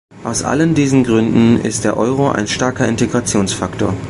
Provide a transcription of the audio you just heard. Aus allen diesen Gründen ist der Euro ein starker Integrationsfaktor.